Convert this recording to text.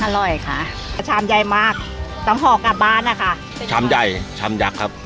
อร่อยค่ะชามใหญ่มากต้องห่อกลับบ้านนะคะชามใหญ่ชามยักษ์ครับ